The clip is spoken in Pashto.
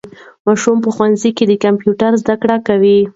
ماشومان په ښوونځیو کې د کمپیوټر زده کړه کوي.